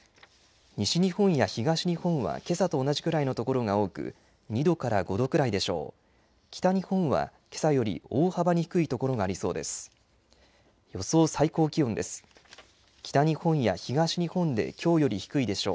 西日本や東日本はけさと同じぐらいの所が多く、２度から５度くらいでしょう。